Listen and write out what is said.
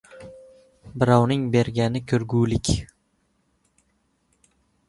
Birovning bergani — ko'rgulik